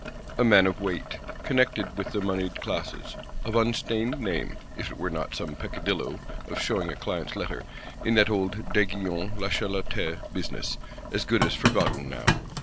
A man of weight, connected with the moneyed classes; of unstained name,—if it were not some peccadillo (of showing a Client's Letter) in that old D'Aiguillon Lachalotais business, as good as forgotten now.